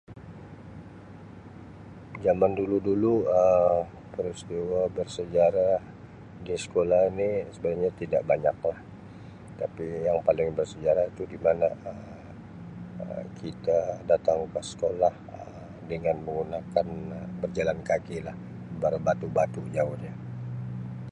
Jaman dulu-dulu Um peristiwa bersejarah di sekolah ni sebenarnya tidak banyak lah tapi yang paling bersejarah tu di mana Um kita datang ke sekolah Um dengan menggunakan Um berjalan kaki lah berbatu-batu jauh dia.